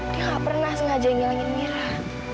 dia gak pernah sengaja ngilangin mira